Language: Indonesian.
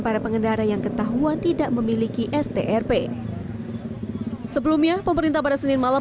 para pengendara yang ketahuan tidak memiliki strp sebelumnya pemerintah pada senin malam